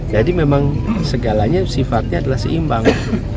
jadi memang segalanya sifatnya adalah seimbang